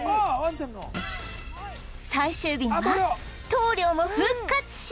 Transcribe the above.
最終日には棟梁も復活し